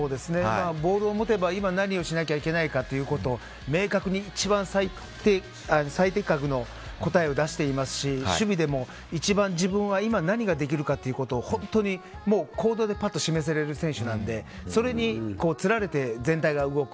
ボールを持てば、今何をしなきゃいけないかということを明確に一番最適の答えを出していますし守備でも一番自分は今何ができるかということを本当に行動でぱっと示せる選手なのでそれにつられて全体が動く